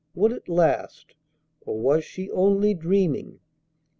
Would it last? Or was she only dreaming?